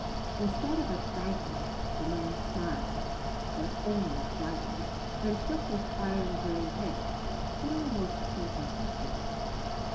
Instead of a thank you the man smiled but only slightly and shook his iron grey head but almost imperceptibly.